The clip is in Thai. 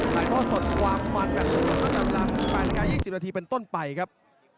หลายท่อสดความฟันกันหลังรัฐธุรกิจแปลงกาย๒๐นาทีเป็นต้นไปครับ